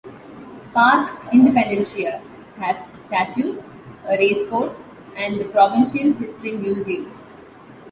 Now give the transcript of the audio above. Parque Independencia has statues, a racecourse, and the Provincial History Museum.